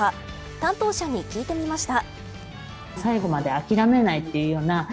担当者に聞いてみました。